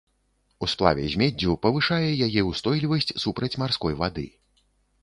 У сплаве з меддзю павышае яе ўстойлівасць супраць марской вады.